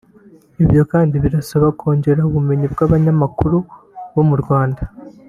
Ibyo kandi birasaba kongera ubumenyi bw’abanyamakuru bo mu Rwanda